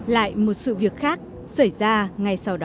lại một sự việc khác xảy ra ngay sau đó